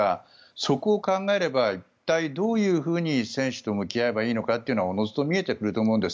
そこを考えれば一体、どういうふうに選手と向き合えばいいかはおのずと見えてくると思うんです。